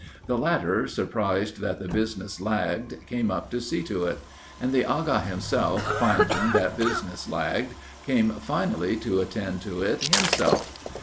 The latter, surprised that the business lagged, came up to see to it. And the Agha himself, finding that business lagged, came finally to attend to it himself.